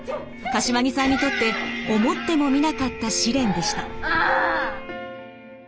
柏木さんにとって思ってもみなかった試練でした。